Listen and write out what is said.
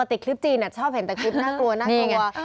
แต่คลิปจีนชอบเห็นแต่คลิปน่ากลัวน่ากลัว